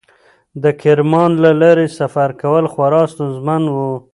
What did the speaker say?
د کرمان له لارې سفر کول خورا ستونزمن و.